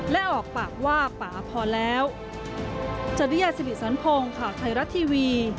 และออกปากว่าป่าพอแล้ว